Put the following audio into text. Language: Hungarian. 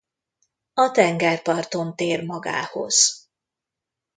A tengerparton tér magához.